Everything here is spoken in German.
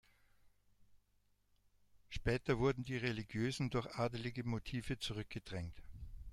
Später wurden die religiösen durch adelige Motive zurückgedrängt.